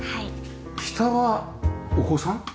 下はお子さん？